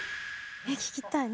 え聞きたい。